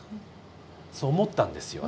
そう思ったんですよ